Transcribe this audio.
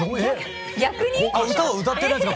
逆に⁉歌は歌ってないんですか？